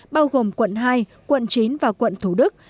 bao gồm quận hai quận chín và quận thủ đức